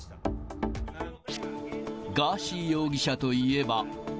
ガーシー容疑者といえば。